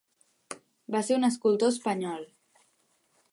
Va ser un escultor espanyol.